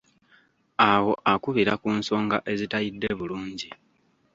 Awo akubira ku nsonga ezitayidde bulungi.